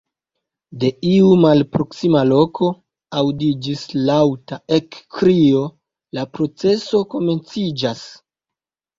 De iu malproksima loko aŭdiĝis laŭta ekkrio: " La proceso komenciĝas!"